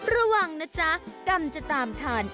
ระวังนะจ๊ะกรรมจะตามทาน